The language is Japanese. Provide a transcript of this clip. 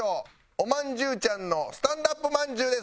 おまんじゅうちゃんのスタンダップまんじゅうです。